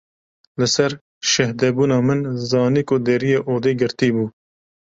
Li ser şehdebûna min zanî ko deriyê odê girtî bû.